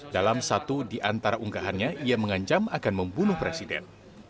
dalam satu di antara unggahannya ia mengancam akan membunuh presiden